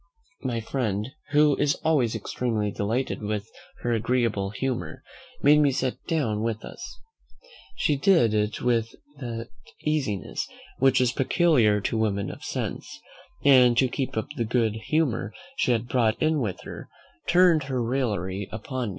My friend, who is always extremely delighted with her agreeable humour, made her sit down with us. She did it with that easiness which is peculiar to women of sense; and to keep up the good humour she had brought in with her, turned her raillery upon me.